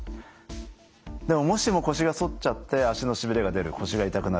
でももしも腰が反っちゃって脚のしびれが出る腰が痛くなる。